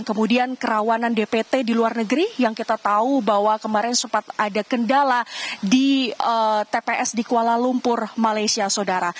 kemudian kerawanan dpt di luar negeri yang kita tahu bahwa kemarin sempat ada kendala di tps di kuala lumpur malaysia saudara